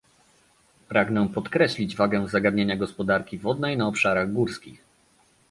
Pragnę podkreślić wagę zagadnienia gospodarki wodnej na obszarach górskich